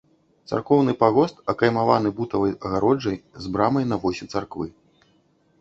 Царкоўны пагост акаймаваны бутавай агароджай з брамай на восі царквы.